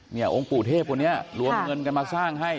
องค์ปู่เทพคนนี้รวมเงินกันมาสร้างให้